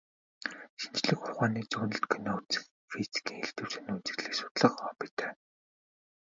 Шинжлэх ухааны зөгнөлт кино үзэх, физикийн элдэв сонин үзэгдлийг судлах хоббитой.